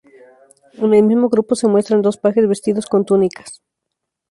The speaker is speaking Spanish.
En el mismo grupo se muestran dos pajes vestidos con túnicas.